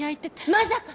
まさか！